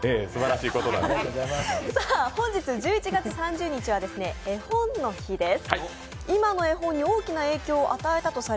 本日１１月３０日は絵本の日です。